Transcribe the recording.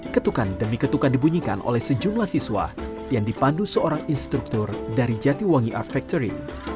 ketukan demi ketukan dibunyikan oleh sejumlah siswa yang dipandu seorang instruktur dari jatiwangi art factory